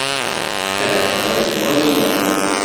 Ahat qerriḥ maḍi maḍi.